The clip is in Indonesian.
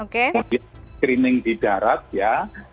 kemudian screening di darat ya